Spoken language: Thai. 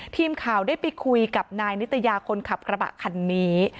ทีมข่าวได้ไปคุยกับนายนิตยาคนขับกระบะคันนี้